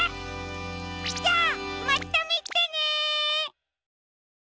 じゃまたみてね！